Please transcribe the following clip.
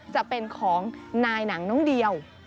จะเป็นของนายหนังน้องเดียว